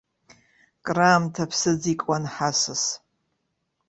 Краамҭа аԥсыӡ икуан ҳасас.